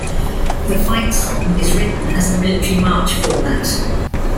The fight song is written as a military march format.